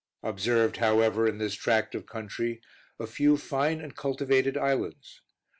Observed however in this tract of country a few fine and cultivated islands.